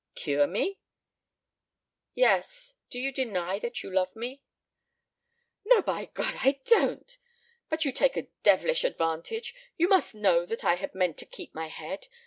"Cure me?" "Yes. Do you deny that you love me?" "No, by God! I don't! But you take a devilish advantage. You must know that I had meant to keep my head.